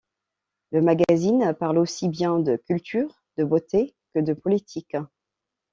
Le magazine parle aussi bien de culture, de beauté, que de politique.